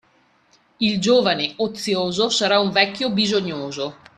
Il giovane ozioso sarà un vecchio bisognoso.